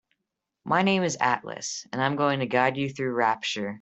My name is Atlas and I'm going to guide you through Rapture.